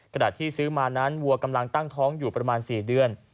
ขณะที่ซื้อมานั้นวัวกำลังตั้งท้องอยู่ประมาณ๔เดือน